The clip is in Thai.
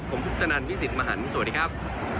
ผมคุปตนันพี่สิทธิ์มหันฯสวัสดีครับ